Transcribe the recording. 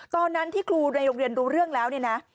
ตอนนั้นที่ครูในโรงเรียนรู้เรื่องแล้วเนี่ยนะ